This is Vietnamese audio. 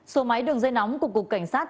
số máy đường dây nóng của cục cảnh sát